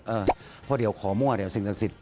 เพราะเดี๋ยวขอมั่วเดี๋ยวสิ่งศักดิ์สิทธิ